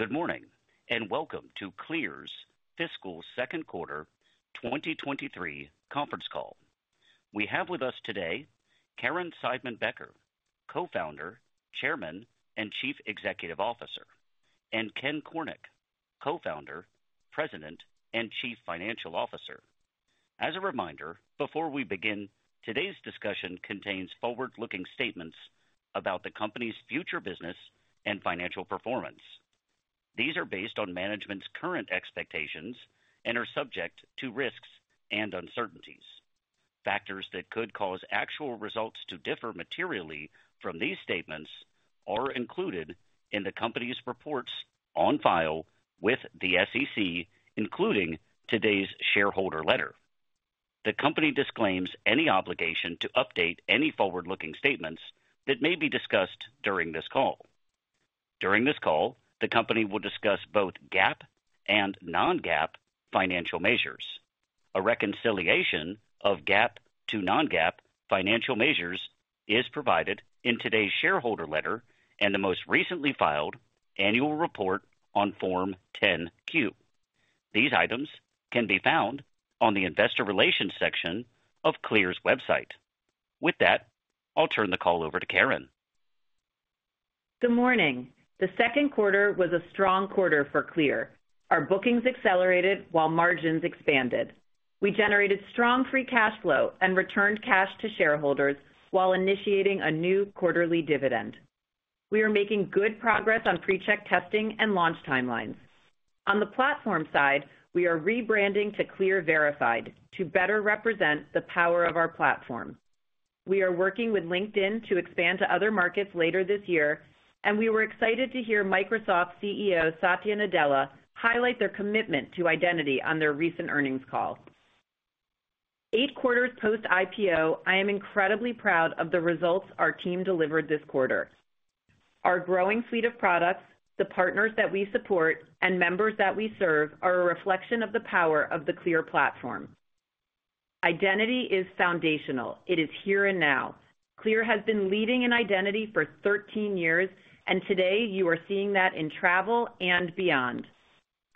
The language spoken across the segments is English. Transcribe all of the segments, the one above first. Good morning, welcome to CLEAR's fiscal second quarter 2023 conference call. We have with us today Caryn Seidman-Becker, Co-founder, Chairman, and Chief Executive Officer, and Kenneth Cornick, Co-founder, President, and Chief Financial Officer. As a reminder, before we begin, today's discussion contains forward-looking statements about the company's future, business, and financial performance. These are based on management's current expectations and are subject to risks and uncertainties. Factors that could cause actual results to differ materially from these statements are included in the company's reports on file with the SEC, including today's shareholder letter. The company disclaims any obligation to update any forward-looking statements that may be discussed during this call. During this call, the company will discuss both GAAP and non-GAAP financial measures. A reconciliation of GAAP to non-GAAP financial measures is provided in today's shareholder letter and the most recently filed annual report on Form 10-Q. These items can be found on the investor relations section of CLEAR's website. With that, I'll turn the call over to Caryn. Good morning. The second quarter was a strong quarter for CLEAR. Our bookings accelerated while margins expanded. We generated strong free cash flow and returned cash to shareholders while initiating a new quarterly dividend. We are making good progress on PreCheck testing and launch timelines. On the platform side, we are rebranding to CLEAR Verified to better represent the power of our platform. We are working with LinkedIn to expand to other markets later this year, and we were excited to hear Microsoft CEO, Satya Nadella, highlight their commitment to identity on their recent earnings call. Eight quarters post-IPO, I am incredibly proud of the results our team delivered this quarter. Our growing suite of products, the partners that we support, and members that we serve are a reflection of the power of the CLEAR platform. Identity is foundational. It is here and now. CLEAR has been leading in identity for 13 years, and today you are seeing that in travel and beyond.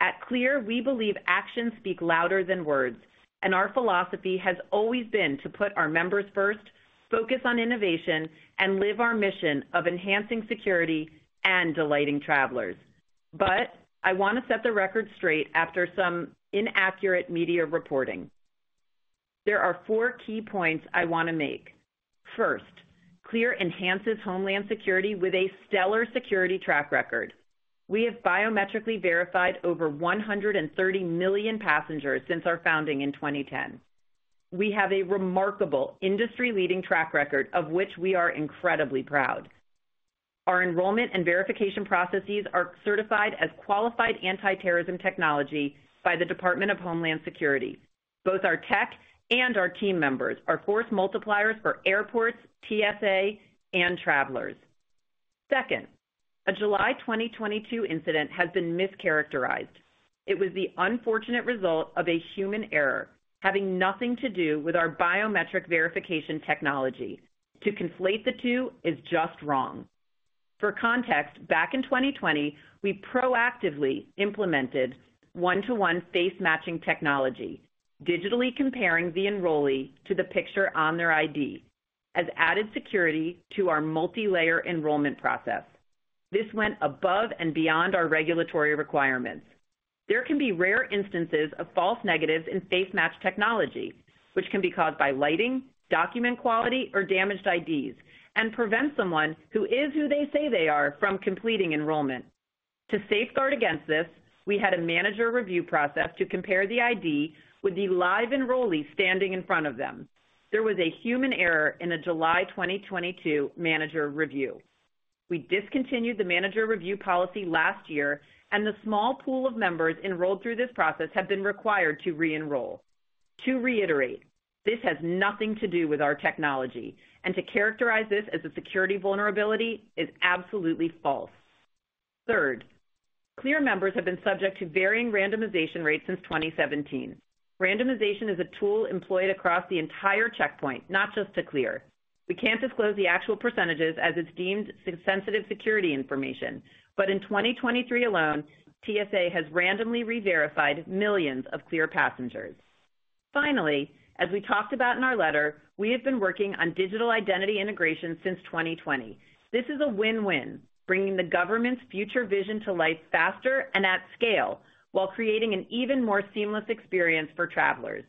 At CLEAR, we believe actions speak louder than words, and our philosophy has always been to put our members first, focus on innovation, and live our mission of enhancing security and delighting travelers. I want to set the record straight after some inaccurate media reporting. There are four key points I want to make. First, CLEAR enhances homeland security with a stellar security track record. We have biometrically verified over 130 million passengers since our founding in 2010. We have a remarkable industry-leading track record, of which we are incredibly proud. Our enrollment and verification processes are certified as Qualified Anti-Terrorism Technology by the Department of Homeland Security. Both our tech and our team members are force multipliers for airports, TSA, and travelers. Second, a July 2022 incident has been mischaracterized. It was the unfortunate result of a human error, having nothing to do with our biometric verification technology. To conflate the two is just wrong. For context, back in 2020, we proactively implemented one-to-one face matching technology, digitally comparing the enrollee to the picture on their ID, as added security to our multi-layer enrollment process. This went above and beyond our regulatory requirements. There can be rare instances of false negatives in face match technology, which can be caused by lighting, document quality, or damaged IDs, and prevent someone who is who they say they are from completing enrollment. To safeguard against this, we had a manager review process to compare the ID with the live enrollee standing in front of them. There was a human error in a July 2022 manager review. We discontinued the manager review policy last year, and the small pool of members enrolled through this process have been required to re-enroll. To reiterate, this has nothing to do with our technology, and to characterize this as a security vulnerability is absolutely false. Third, CLEAR members have been subject to varying randomization rates since 2017. Randomization is a tool employed across the entire checkpoint, not just to CLEAR. We can't disclose the actual percentages as it's deemed Sensitive Security Information, but in 2023 alone, TSA has randomly reverified millions of CLEAR passengers. As we talked about in our letter, we have been working on digital identity integration since 2020. This is a win-win, bringing the government's future vision to life faster and at scale, while creating an even more seamless experience for travelers.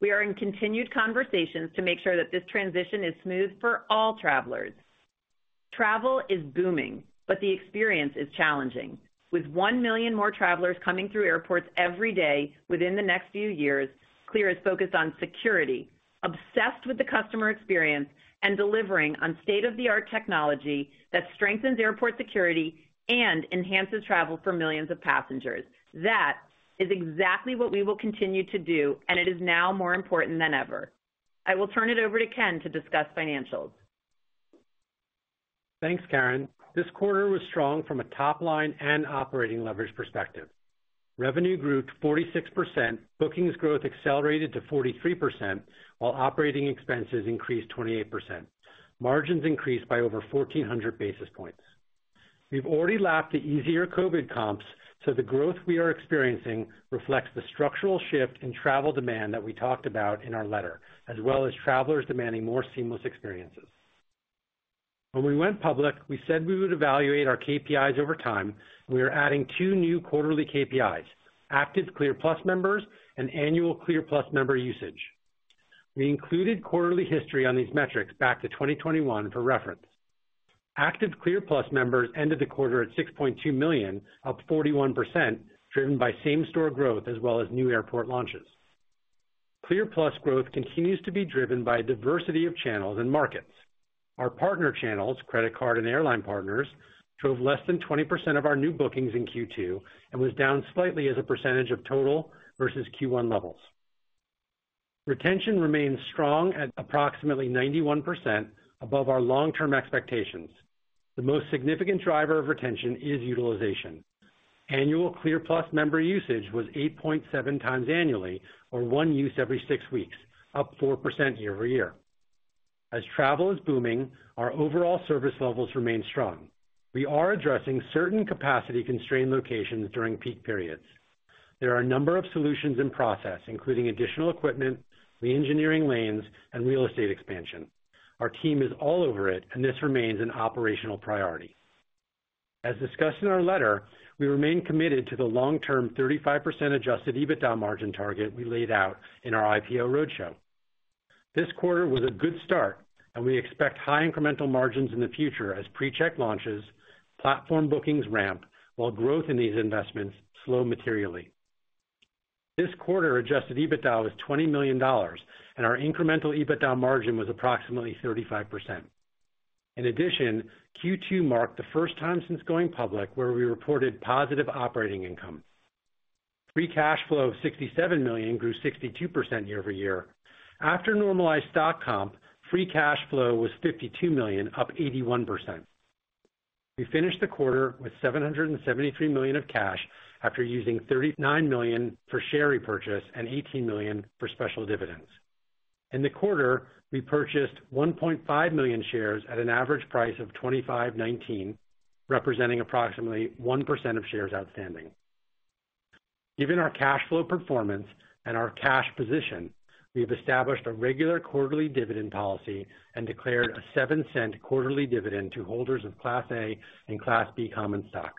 We are in continued conversations to make sure that this transition is smooth for all travelers. Travel is booming, but the experience is challenging. With one million more travelers coming through airports every day within the next few years, CLEAR is focused on security, obsessed with the customer experience, and delivering on state-of-the-art technology that strengthens airport security and enhances travel for millions of passengers. That is exactly what we will continue to do, and it is now more important than ever. I will turn it over to Ken to discuss financials. Thanks, Caryn. This quarter was strong from a top-line and operating leverage perspective. Revenue grew to 46%, bookings growth accelerated to 43%, while operating expenses increased 28%. Margins increased by over 1,400 basis points. We've already lapped the easier COVID comps. The growth we are experiencing reflects the structural shift in travel demand that we talked about in our letter, as well as travelers demanding more seamless experiences. When we went public, we said we would evaluate our KPIs over time. We are adding two new quarterly KPIs, active CLEAR+ members and annual CLEAR+ member usage. We included quarterly history on these metrics back to 2021 for reference. Active CLEAR+ members ended the quarter at 6.2 million, up 41%, driven by same-store growth as well as new airport launches. CLEAR+ growth continues to be driven by a diversity of channels and markets. Our partner channels, credit card and airline partners, drove less than 20% of our new bookings in Q2 and was down slightly as a percentage of total versus Q1 levels. Retention remains strong at approximately 91% above our long-term expectations. The most significant driver of retention is utilization. Annual CLEAR+ member usage was 8.7 times annually, or one use every six weeks, up 4% year-over-year. As travel is booming, our overall service levels remain strong. We are addressing certain capacity-constrained locations during peak periods. There are a number of solutions in process, including additional equipment, reengineering lanes, and real estate expansion. Our team is all over it, and this remains an operational priority. As discussed in our letter, we remain committed to the long-term 35% adjusted EBITDA margin target we laid out in our IPO roadshow. This quarter was a good start, and we expect high incremental margins in the future as PreCheck launches, platform bookings ramp, while growth in these investments slow materially. This quarter, adjusted EBITDA was $20 million, and our incremental EBITDA margin was approximately 35%. In addition, Q2 marked the first time since going public, where we reported positive operating income. Free cash flow of $67 million grew 62% year-over-year. After normalized stock comp, free cash flow was $52 million, up 81%. We finished the quarter with $773 million of cash after using $39 million for share repurchase and $18 million for special dividends. In the quarter, we purchased 1.5 million shares at an average price of $25.19, representing approximately 1% of shares outstanding. Given our cash flow performance and our cash position, we have established a regular quarterly dividend policy and declared a $0.07 quarterly dividend to holders of Class A and Class B common stock.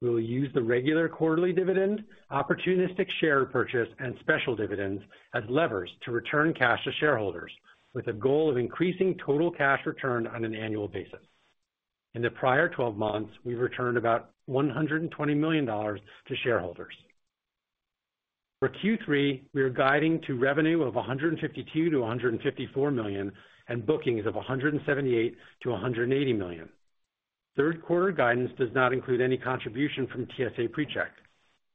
We will use the regular quarterly dividend, opportunistic share purchase, and special dividends as levers to return cash to shareholders, with a goal of increasing total cash return on an annual basis. In the prior 12 months, we've returned about $120 million to shareholders. For Q3, we are guiding to revenue of $152 million-$154 million and bookings of $178 million-$180 million. Third quarter guidance does not include any contribution from TSA PreCheck.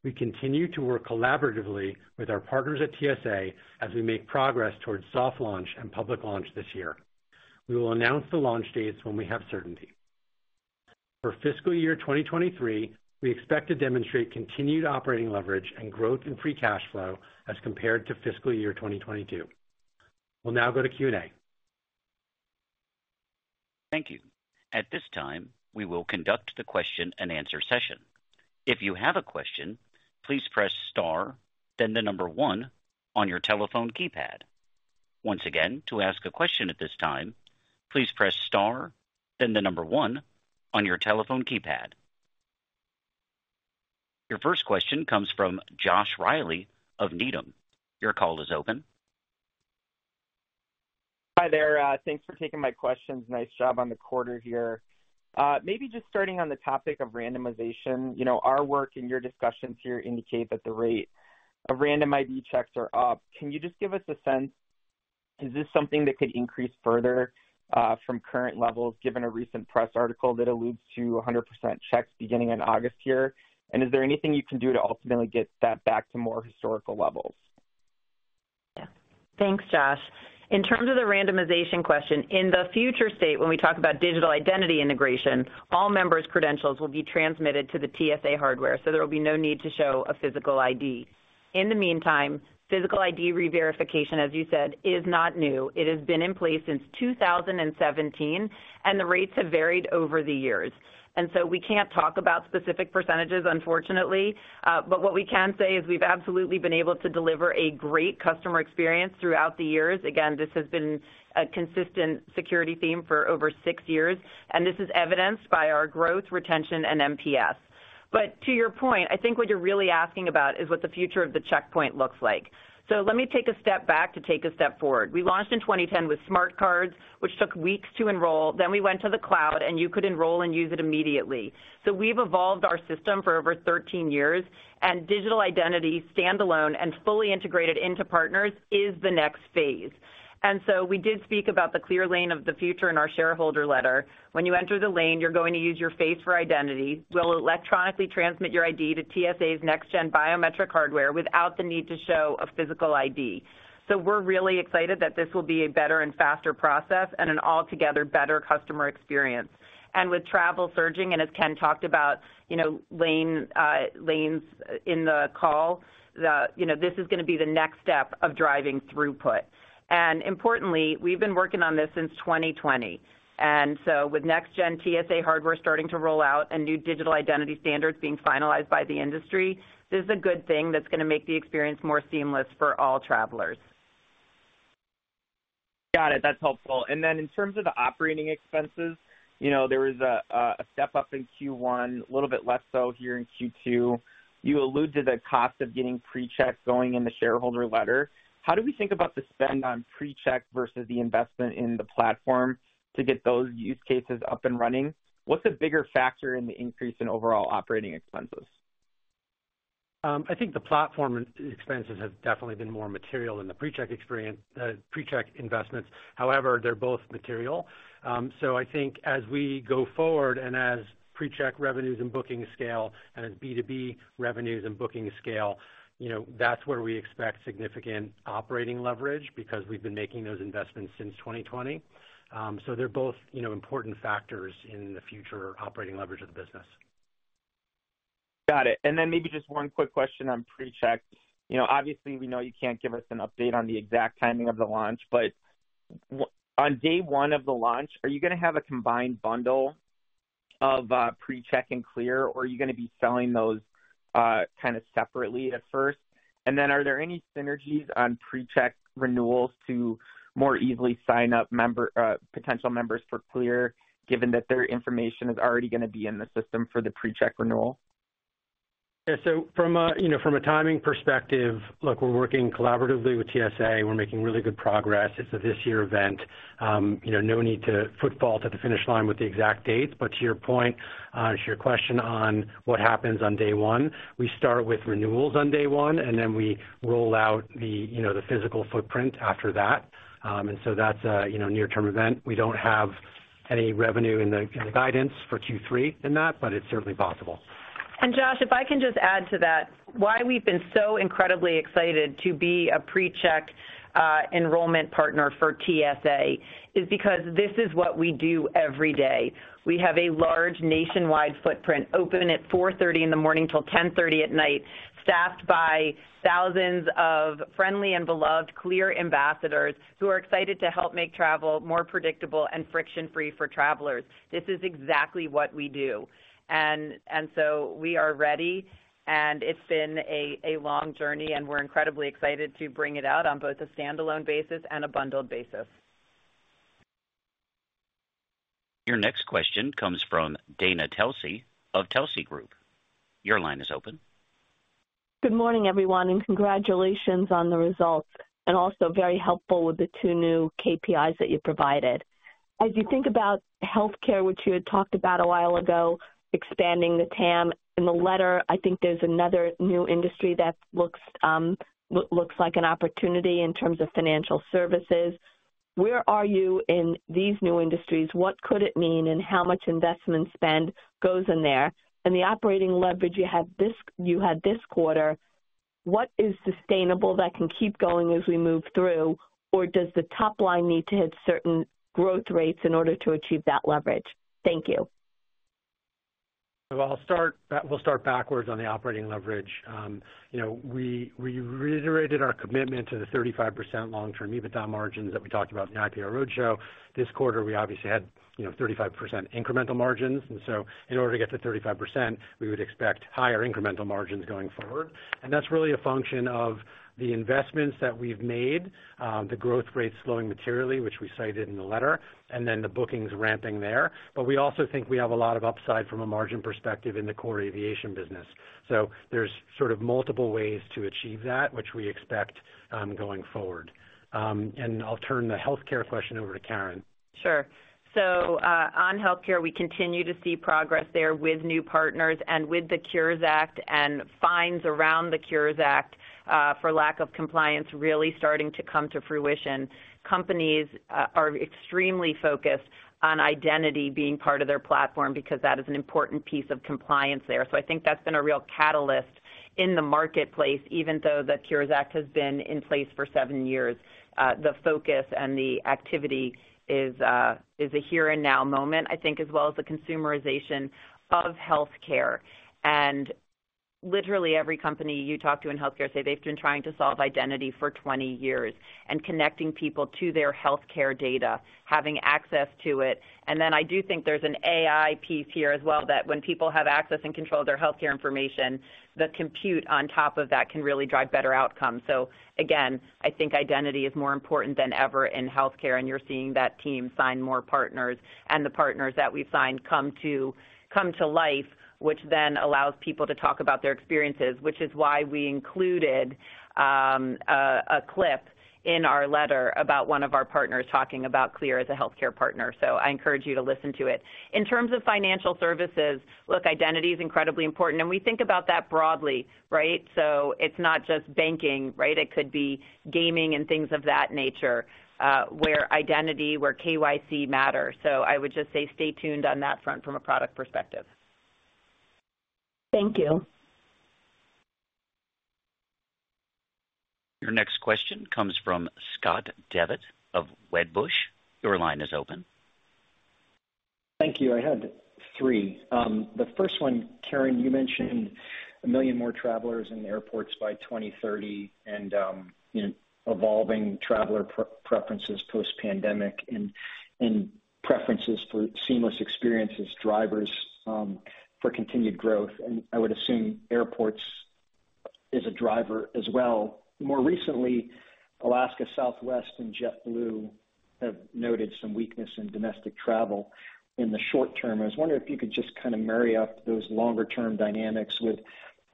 We continue to work collaboratively with our partners at TSA as we make progress towards soft launch and public launch this year. We will announce the launch dates when we have certainty. For fiscal year 2023, we expect to demonstrate continued operating leverage and growth in free cash flow as compared to fiscal year 2022. We'll now go to Q&A. Thank you. At this time, we will conduct the question-and-answer session. If you have a question, please press star, then the number one on your telephone keypad. Once again, to ask a question at this time, please press star, then the number one on your telephone keypad. Your first question comes from Josh Reilly of Needham. Your call is open. Hi there, thanks for taking my questions. Nice job on the quarter here. Maybe just starting on the topic of randomization. You know, our work and your discussions here indicate that the rate of random ID checks are up. Can you just give us a sense, is this something that could increase further, from current levels, given a recent press article that alludes to 100% checks beginning in August here? Is there anything you can do to ultimately get that back to more historical levels? Yeah. Thanks, Josh. In terms of the randomization question, in the future state, when we talk about digital identity integration, all members' credentials will be transmitted to the TSA hardware, so there will be no need to show a physical ID. In the meantime, physical ID reverification, as you said, is not new. It has been in place since 2017, and the rates have varied over the years. So we can't talk about specific percentages, unfortunately, what we can say is we've absolutely been able to deliver a great customer experience throughout the years. Again, this has been a consistent security theme for over six years, and this is evidenced by our growth, retention, and NPS. To your point, I think what you're really asking about is what the future of the checkpoint looks like. Let me take a step back to take a step forward. We launched in 2010 with smart cards, which took weeks to enroll. We went to the cloud, and you could enroll and use it immediately. We've evolved our system for over 13 years, and digital identity, standalone and fully integrated into partners, is the next phase. We did speak about the CLEAR lane of the future in our shareholder letter. When you enter the lane, you're going to use your face for identity. We'll electronically transmit your ID to TSA's next-gen biometric hardware without the need to show a physical ID. We're really excited that this will be a better and faster process and an altogether better customer experience. With travel surging, and as Ken talked about, you know, lane, lanes in the call, you know, this is gonna be the next step of driving throughput. Importantly, we've been working on this since 2020, and so with next-gen TSA hardware starting to roll out and new digital identity standards being finalized by the industry, this is a good thing that's gonna make the experience more seamless for all travelers. Got it. That's helpful. In terms of the operating expenses, you know, there was a step up in Q1, a little bit less so here in Q2. You allude to the cost of getting PreCheck going in the shareholder letter. How do we think about the spend on PreCheck versus the investment in the platform to get those use cases up and running? What's a bigger factor in the increase in overall operating expenses? I think the platform expenses have definitely been more material than the PreCheck experience, PreCheck investments. However, they're both material. I think as we go forward and as PreCheck revenues and bookings scale, and as B2B revenues and bookings scale, you know, that's where we expect significant operating leverage because we've been making those investments since 2020. They're both, you know, important factors in the future operating leverage of the business. Got it. Then maybe just one quick question on PreCheck. You know, obviously, we know you can't give us an update on the exact timing of the launch, but on day one of the launch, are you gonna have a combined bundle of PreCheck and CLEAR, or are you gonna be selling those kind of separately at first? Then are there any synergies on PreCheck renewals to more easily sign up member, potential members for CLEAR, given that their information is already gonna be in the system for the PreCheck renewal? Yeah, from a, you know, from a timing perspective, look, we're working collaboratively with TSA. We're making really good progress. It's a this year event. You know, no need to football to the finish line with the exact dates. To your point, to your question on what happens on day one, we start with renewals on day one, and then we roll out the, you know, the physical footprint after that. That's a, you know, near-term event. We don't have any revenue in the, in the guidance for Q3 in that, but it's certainly possible. Josh, if I can just add to that, why we've been so incredibly excited to be a PreCheck enrollment partner for TSA, is because this is what we do every day. We have a large nationwide footprint, open at 4:30 A.M. in the morning till 10:30 P.M. at night, staffed by thousands of friendly and beloved CLEAR ambassadors who are excited to help make travel more predictable and friction-free for travelers. This is exactly what we do, so we are ready, and it's been a long journey, and we're incredibly excited to bring it out on both a standalone basis and a bundled basis. Your next question comes from Dana Telsey of Telsey Group. Your line is open. Good morning, everyone, and congratulations on the results. Also very helpful with the two new KPIs that you provided. As you think about healthcare, which you had talked about a while ago, expanding the TAM in the letter, I think there's another new industry that looks like an opportunity in terms of financial services. Where are you in these new industries? What could it mean and how much investment spend goes in there? The operating leverage you had this quarter, what is sustainable that can keep going as we move through? Or does the top line need to hit certain growth rates in order to achieve that leverage? Thank you. I'll start, we'll start backwards on the operating leverage. You know, we, we reiterated our commitment to the 35% long-term EBITDA margins that we talked about in the IPO roadshow. This quarter, we obviously had, you know, 35% incremental margins, in order to get to 35%, we would expect higher incremental margins going forward. That's really a function of the investments that we've made, the growth rates slowing materially, which we cited in the letter, the bookings ramping there. We also think we have a lot of upside from a margin perspective in the core aviation business. There's sort of multiple ways to achieve that, which we expect, going forward. I'll turn the healthcare question over to Caryn. Sure. On healthcare, we continue to see progress there with new partners and with the Cures Act and fines around the Cures Act for lack of compliance, really starting to come to fruition. Companies are extremely focused on identity being part of their platform because that is an important piece of compliance there. I think that's been a real catalyst in the marketplace, even though the Cures Act has been in place for seven years. The focus and the activity is a here and now moment, I think, as well as the consumerization of healthcare. Literally, every company you talk to in healthcare say they've been trying to solve identity for 20 years and connecting people to their healthcare data, having access to it. I do think there's an AI piece here as well, that when people have access and control of their healthcare information, the compute on top of that can really drive better outcomes. Again, I think identity is more important than ever in healthcare, and you're seeing that team sign more partners. The partners that we've signed come to, come to life, which then allows people to talk about their experiences, which is why we included a clip in our letter about one of our partners talking about CLEAR as a healthcare partner. I encourage you to listen to it. In terms of financial services, look, identity is incredibly important, and we think about that broadly, right? It's not just banking, right? It could be gaming and things of that nature, where identity, where KYC matter. I would just say stay tuned on that front from a product perspective. Thank you. Your next question comes from Scott Devitt of Wedbush. Your line is open. Thank you. I had three. The first one, Caryn, you mentioned one million more travelers in airports by 2030 and evolving traveler preferences post-pandemic and preferences for seamless experiences, drivers for continued growth. I would assume airports is a driver as well. More recently, Alaska, Southwest, and JetBlue have noted some weakness in domestic travel in the short term. I was wondering if you could just kind of marry up those longer-term dynamics with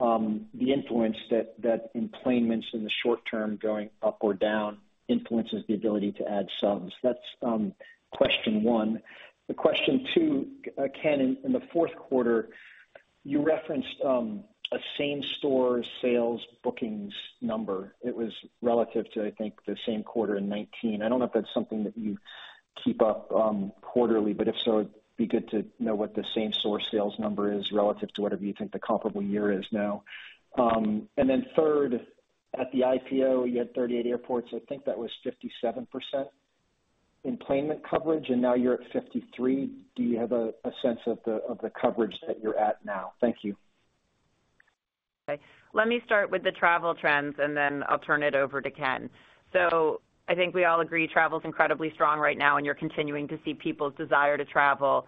the influence that enplanements in the short term, going up or down, influences the ability to add subs. That's question one. The question two, Ken, in the fourth quarter, you referenced a same-store sales bookings number. It was relative to, I think, the same quarter in 2019. I don't know if that's something that you keep up, quarterly, but if so, it'd be good to know what the same-store sales number is relative to whatever you think the comparable year is now. Then third, at the IPO, you had 38 airports. I think that was 57% enplanement coverage, and now you're at 53. Do you have a, a sense of the, of the coverage that you're at now? Thank you. Let me start with the travel trends, then I'll turn it over to Ken. I think we all agree travel is incredibly strong right now, you're continuing to see people's desire to travel.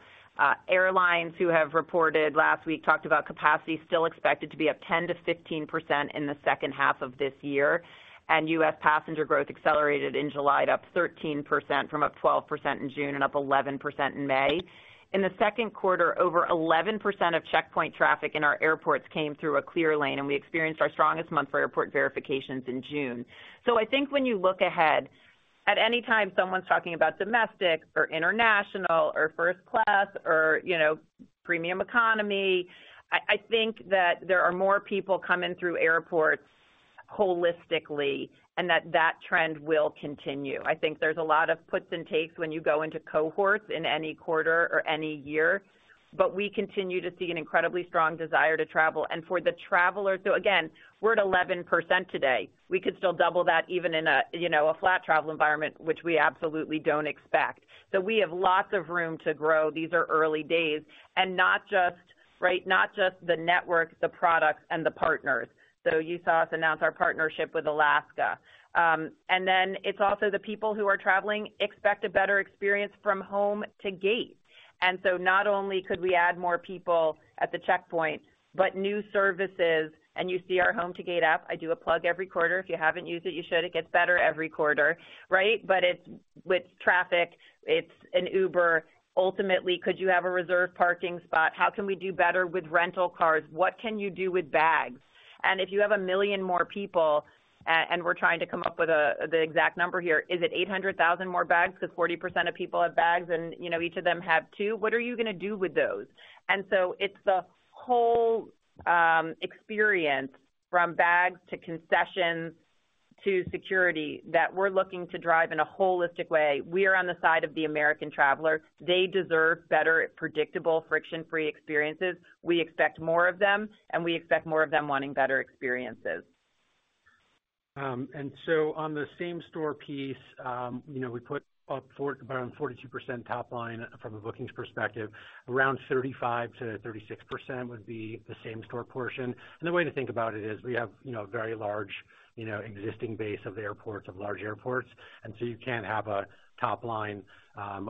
Airlines who have reported last week talked about capacity still expected to be up 10%-15% in the second half of this year, U.S. passenger growth accelerated in July, up 13% from up 12% in June and up 11% in May. In the second quarter, over 11% of checkpoint traffic in our airports came through a CLEAR lane, we experienced our strongest month for airport verifications in June. I think when you look ahead, at any time, someone's talking about domestic or international or first class or, you know, premium economy, I, I think that there are more people coming through airports holistically and that that trend will continue. I think there's a lot of puts and takes when you go into cohorts in any quarter or any year, we continue to see an incredibly strong desire to travel. For the traveler. Again, we're at 11% today. We could still double that even in a, you know, a flat travel environment, which we absolutely don't expect. We have lots of room to grow. These are early days, not just, right, not just the network, the products, and the partners. You saw us announce our partnership with Alaska. Then it's also the people who are traveling expect a better experience from Home to Gate. So not only could we add more people at the checkpoint, but new services. You see our Home to Gate app. I do a plug every quarter. If you haven't used it, you should. It gets better every quarter, right? It's with traffic, it's an Uber. Ultimately, could you have a reserve parking spot? How can we do better with rental cars? What can you do with bags? If you have a million more people, and we're trying to come up with a, the exact number here, is it 800,000 more bags? Because 40% of people have bags, and, you know, each of them have two. What are you gonna do with those? So it's the whole experience, from bags, to concessions, to security, that we're looking to drive in a holistic way. We are on the side of the American traveler. They deserve better, predictable, friction-free experiences. We expect more of them, and we expect more of them wanting better experiences. So on the same-store piece, you know, we put up around 42% top line from a bookings perspective. Around 35%-36% would be the same-store portion. The way to think about it is we have, you know, a very large, you know, existing base of airports, of large airports, and so you can't have a top line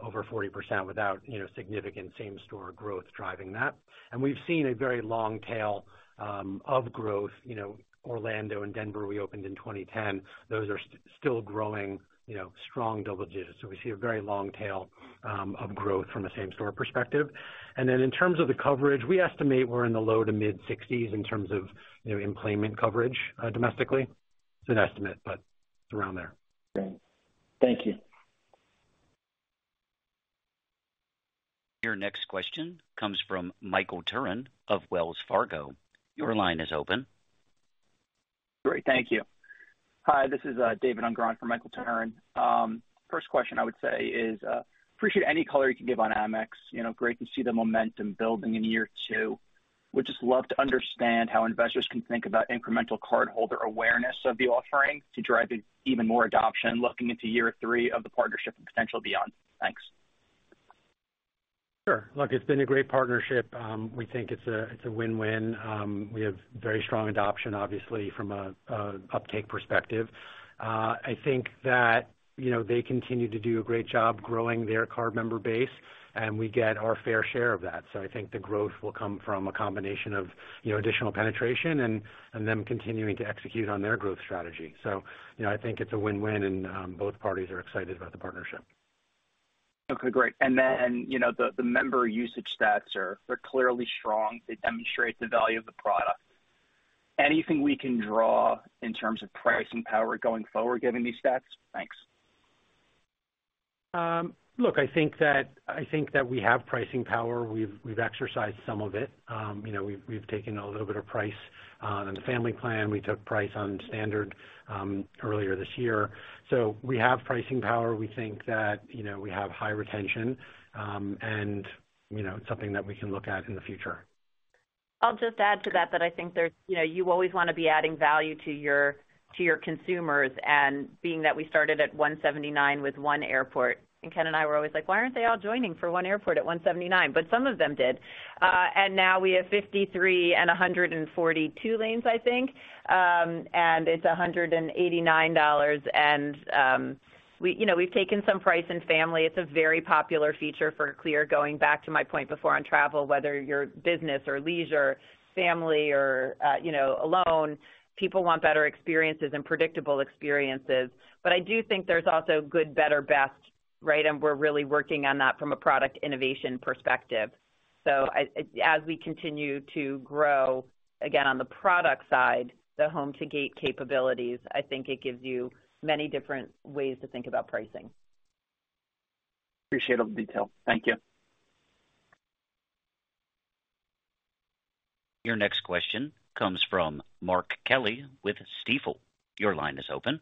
over 40% without, you know, significant same-store growth driving that. We've seen a very long tail of growth. You know, Orlando and Denver, we opened in 2010. Those are still growing, you know, strong double digits. We see a very long tail of growth from a same-store perspective. Then in terms of the coverage, we estimate we're in the low to mid-60s in terms of, you know, enplanement coverage domestically. It's an estimate, but it's around there. Great. Thank you. Your next question comes from Michael Turrin of Wells Fargo. Your line is open. Great, thank you. Hi, this is David Ungrund for Michael Turrin. First question I would say is, appreciate any color you can give on Amex. You know, great to see the momentum building in year two. Would just love to understand how investors can think about incremental cardholder awareness of the offering to drive even more adoption looking into year three of the partnership and potential beyond. Thanks. Sure! Look, it's been a great partnership. We think it's a, it's a win-win. We have very strong adoption, obviously, from a, a uptake perspective. I think that, you know, they continue to do a great job growing their card member base, and we get our fair share of that. I think the growth will come from a combination of, you know, additional penetration and, and them continuing to execute on their growth strategy. You know, I think it's a win-win, and both parties are excited about the partnership. Okay, great. you know, the, the member usage stats are. They're clearly strong. They demonstrate the value of the product. Anything we can draw in terms of pricing power going forward, given these stats? Thanks. Look, I think that, I think that we have pricing power. We've, we've exercised some of it. You know, we've, we've taken a little bit of price on the Family Plan. We took price on Standard earlier this year. We have pricing power. We think that, you know, we have high retention, and, you know, it's something that we can look at in the future. I'll just add to that, that I think there's, you know, you always wanna be adding value to your, to your consumers, and being that we started at $179 with one airport, and Ken and I were always like: "Why aren't they all joining for one airport at $179?" Some of them did. Now we have 53 and 142 lanes, I think, and it's $189, and we, you know, we've taken some price in Family. It's a very popular feature for CLEAR, going back to my point before on travel, whether you're business or leisure, family or, you know, alone, people want better experiences and predictable experiences. I do think there's also good, better, best. Right, and we're really working on that from a product innovation perspective. I, as we continue to grow, again, on the product side, the Home to Gate capabilities, I think it gives you many different ways to think about pricing. Appreciate all the detail. Thank you. Your next question comes from Mark Kelley with Stifel. Your line is open.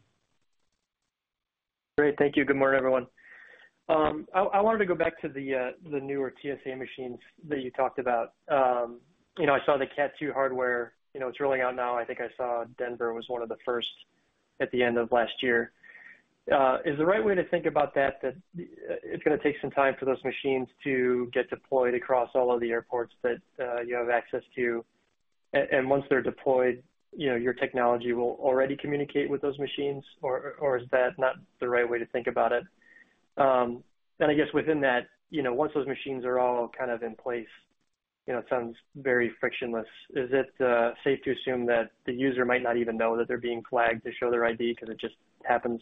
Great. Thank you. Good morning, everyone. I, I wanted to go back to the newer TSA machines that you talked about. You know, I saw the CAT 2 hardware, you know, it's rolling out now. I think I saw Denver was one of the first at the end of last year. Is the right way to think about that, that, it's gonna take some time for those machines to get deployed across all of the airports that, you have access to? Once they're deployed, you know, your technology will already communicate with those machines, or, or is that not the right way to think about it? I guess within that, you know, once those machines are all kind of in place, you know, it sounds very frictionless. Is it safe to assume that the user might not even know that they're being flagged to show their ID because it just happens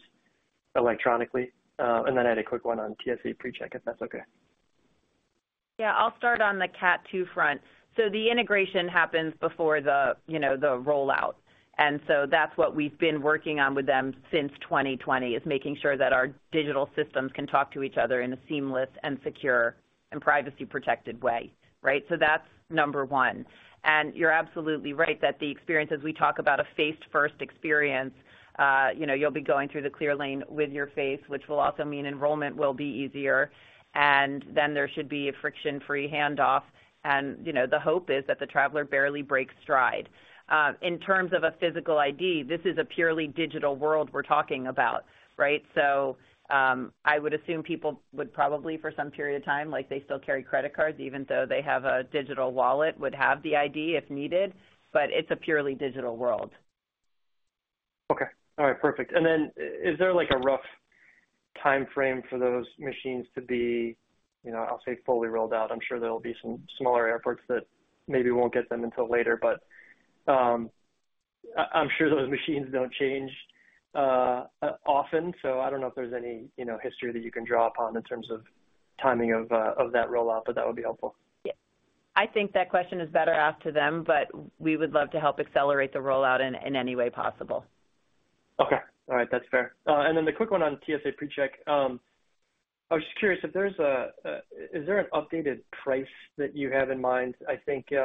electronically? Then I had a quick one on TSA PreCheck, if that's okay? Yeah, I'll start on the CAT 2 front. The integration happens before the, you know, the rollout, and so that's what we've been working on with them since 2020, is making sure that our digital systems can talk to each other in a seamless and secure and privacy-protected way, right? That's number one. You're absolutely right that the experience, as we talk about a face-first experience, you know, you'll be going through the CLEAR lane with your face, which will also mean enrollment will be easier, and then there should be a friction-free handoff. You know, the hope is that the traveler barely breaks stride. In terms of a physical ID, this is a purely digital world we're talking about, right? I would assume people would probably, for some period of time, like, they still carry credit cards, even though they have a digital wallet, would have the ID if needed, but it's a purely digital world. Okay. All right, perfect. Is there, like, a rough timeframe for those machines to be, you know, I'll say, fully rolled out? I'm sure there'll be some smaller airports that maybe won't get them until later, but I'm sure those machines don't change often, so I don't know if there's any, you know, history that you can draw upon in terms of timing of that rollout, but that would be helpful. Yeah. I think that question is better asked to them, but we would love to help accelerate the rollout in, in any way possible. Okay. All right, that's fair. Then the quick one on TSA PreCheck. I was just curious if there's a... Is there an updated price that you have in mind? I think, you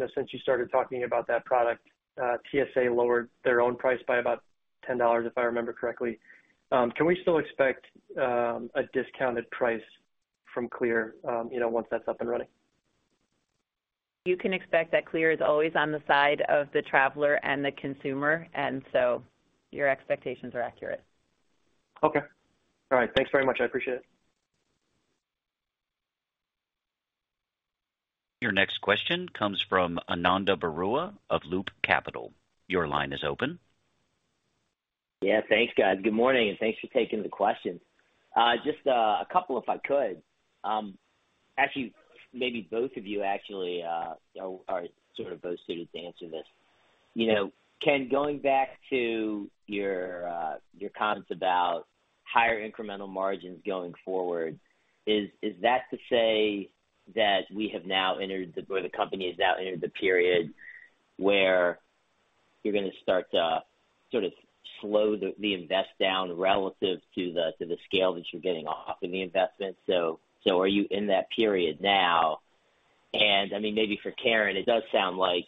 know, since you started talking about that product, TSA lowered their own price by about $10, if I remember correctly. Can we still expect a discounted price from CLEAR, you know, once that's up and running? You can expect that CLEAR is always on the side of the traveler and the consumer. Your expectations are accurate. Okay. All right. Thanks very much. I appreciate it. Your next question comes from Ananda Baruah of Loop Capital. Your line is open. Yeah, thanks, guys. Good morning, and thanks for taking the questions. Just a couple, if I could. Actually, maybe both of you actually are sort of well suited to answer this. You know, Ken, going back to your comments about higher incremental margins going forward, is that to say that we have now entered or the company has now entered the period where you're gonna start to sort of slow the invest down relative to the scale that you're getting off in the investment? Are you in that period now? And I mean, maybe for Caryn, it does sound like,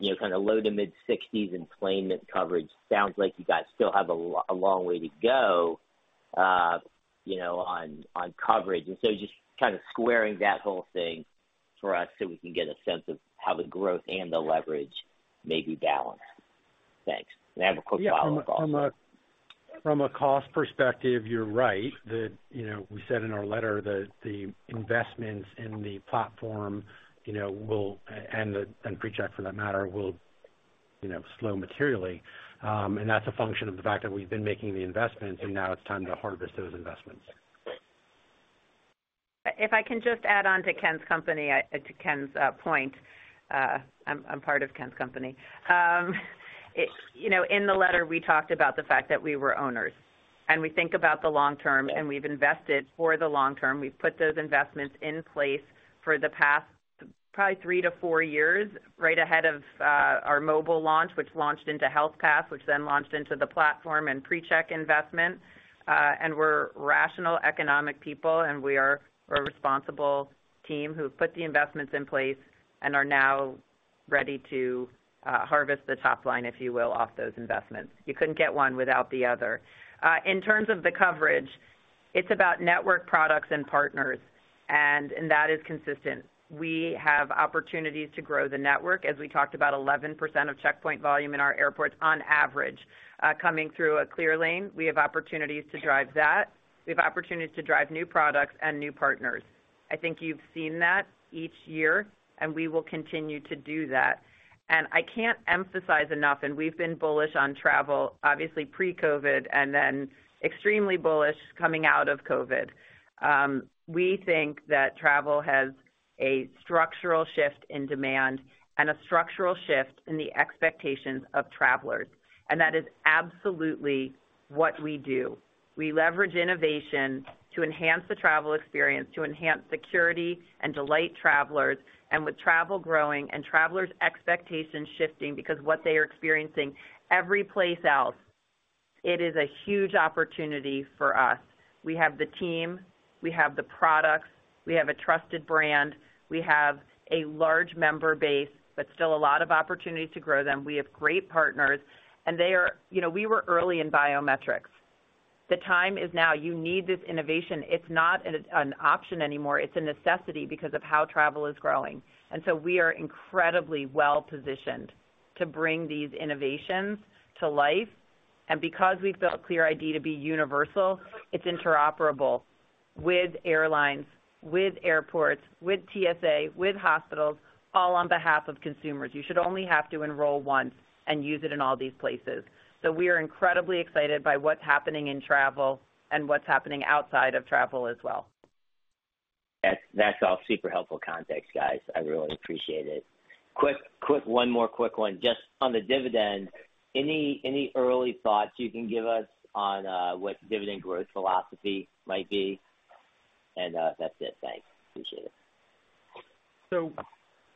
you know, kind of low to mid-60s in claim coverage. Sounds like you guys still have a long way to go, you know, on coverage. Just kind of squaring that whole thing for us so we can get a sense of how the growth and the leverage may be balanced. Thanks. I have a quick follow-up also. Yeah, from a, from a cost perspective, you're right. That, you know, we said in our letter that the investments in the platform, you know, will... and, and PreCheck, for that matter, will, you know, slow materially. And that's a function of the fact that we've been making the investments, and now it's time to harvest those investments. If I can just add on to Ken's company, to Ken's point, I'm, I'm part of Ken's company. You know, in the letter, we talked about the fact that we were owners, and we think about the long term, and we've invested for the long term. We've put those investments in place for the past, probably three to four years, right ahead of our mobile launch, which launched into Health Pass, which then launched into the platform and PreCheck investment. We're rational economic people, and we are a responsible team who've put the investments in place and are now ready to harvest the top line, if you will, off those investments. You couldn't get one without the other. In terms of the coverage, it's about network products and partners, and, and that is consistent. We have opportunities to grow the network, as we talked about 11% of checkpoint volume in our airports on average, coming through a CLEAR lane. We have opportunities to drive that. We have opportunities to drive new products and new partners. I think you've seen that each year, and we will continue to do that. I can't emphasize enough, and we've been bullish on travel, obviously pre-COVID, and then extremely bullish coming out of COVID. We think that travel has a structural shift in demand and a structural shift in the expectations of travelers, and that is absolutely what we do. We leverage innovation to enhance the travel experience, to enhance security and delight travelers, and with travel growing and travelers' expectations shifting because what they are experiencing every place else. It is a huge opportunity for us. We have the team, we have the products, we have a trusted brand, we have a large member base, but still a lot of opportunity to grow them. We have great partners. You know, we were early in biometrics. The time is now. You need this innovation. It's not an option anymore, it's a necessity because of how travel is growing. We are incredibly well-positioned to bring these innovations to life. Because we've built CLEAR ID to be universal, it's interoperable with airlines, with airports, with TSA, with hospitals, all on behalf of consumers. You should only have to enroll once and use it in all these places. We are incredibly excited by what's happening in travel and what's happening outside of travel as well. That's, that's all super helpful context, guys. I really appreciate it. One more quick one, just on the dividend, any, any early thoughts you can give us on what the dividend growth philosophy might be? That's it. Thanks. Appreciate it.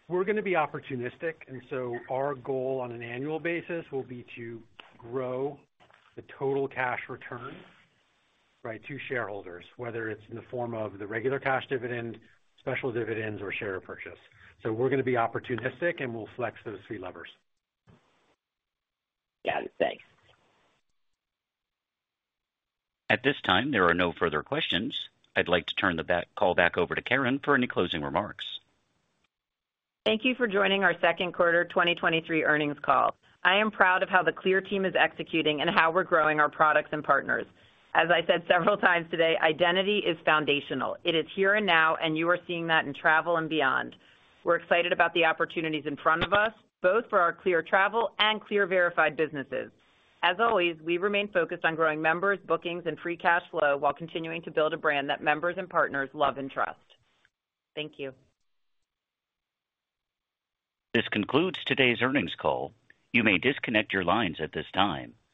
We're gonna be opportunistic, and so our goal on an annual basis will be to grow the total cash return, right, to shareholders, whether it's in the form of the regular cash dividend, special dividends, or share repurchase. We're gonna be opportunistic, and we'll flex those three levers. Got it. Thanks. At this time, there are no further questions. I'd like to turn the call back over to Caryn for any closing remarks. Thank you for joining our second quarter 2023 earnings call. I am proud of how the CLEAR team is executing and how we're growing our products and partners. As I said several times today, identity is foundational. It is here and now, and you are seeing that in travel and beyond. We're excited about the opportunities in front of us, both for our CLEAR Travel and CLEAR Verified businesses. As always, we remain focused on growing members, bookings, and free cash flow, while continuing to build a brand that members and partners love and trust. Thank you. This concludes today's earnings call. You may disconnect your lines at this time.